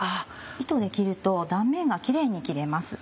糸で切ると断面がキレイに切れます。